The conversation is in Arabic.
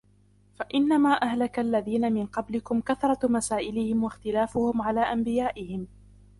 فَإِنَّمَا أَهْلَكَ الَّذِينَ مِنْ قَبْلِكُمْ كَثْرَةُ مَسَائِلِهِمْ واخْتِلاَفُهُمْ عَلَى أَنْبِيَائِهِمْ